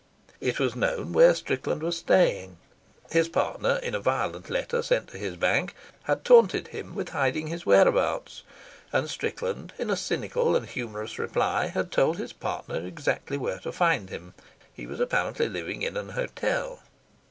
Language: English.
It was known where Strickland was staying. His partner, in a violent letter, sent to his bank, had taunted him with hiding his whereabouts: and Strickland, in a cynical and humourous reply, had told his partner exactly where to find him. He was apparently living in an Hotel.